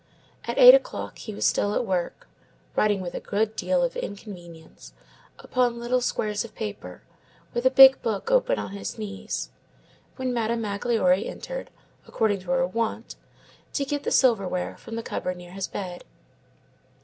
At eight o'clock he was still at work, writing with a good deal of inconvenience upon little squares of paper, with a big book open on his knees, when Madame Magloire entered, according to her wont, to get the silver ware from the cupboard near his bed.